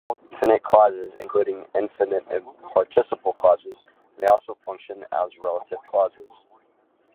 Some nonfinite clauses, including infinitive and participial clauses, may also function as relative clauses.